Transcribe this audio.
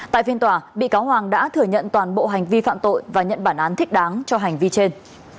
tại phiên tòa bị cáo hoàng đã thừa nhận toàn bộ hành vi phạm tội và nhận bản án thích đáng cho hành vi trên